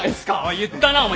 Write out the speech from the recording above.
言ったなお前。